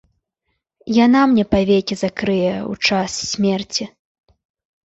Яна мне павекі закрые ў час смерці.